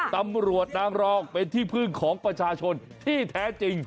ตำรวจนางรองเป็นที่พึ่งของประชาชนที่แท้จริง